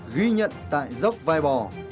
ghi nhận tại dốc vai bò